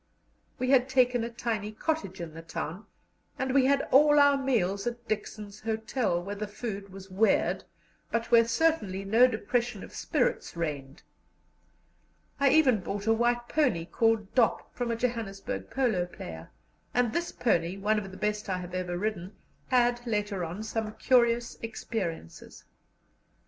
We had taken a tiny cottage in the town, and we had all our meals at Dixon's Hotel, where the food was weird, but where certainly no depression of spirits reigned. I even bought a white pony, called Dop, from a Johannesburg polo player, and this pony, one of the best I have ever ridden, had later on some curious experiences.